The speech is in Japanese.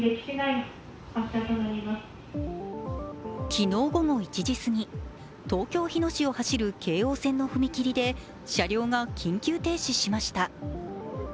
昨日午後１時過ぎ、東京・日野市を走る京王線の踏切で車両が緊急停止しました。